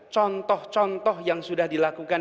contoh contoh yang sudah dilakukan